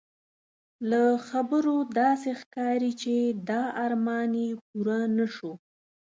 له خبرو داسې ښکاري چې دا ارمان یې پوره نه شو.